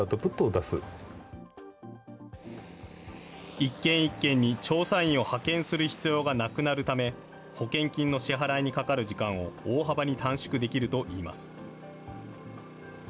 一軒一軒に調査員を派遣する必要がなくなるため、保険金の支払いにかかる時間を大幅に短縮できるといいます。